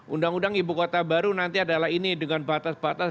undang undang ibu kota baru nanti adalah ini dengan batas batas